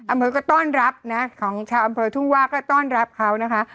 อำเภอก็ต้อนรับนะของชาวอำเภอทุ่งว่าก็ต้อนรับเขานะคะ